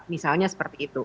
misalnya seperti itu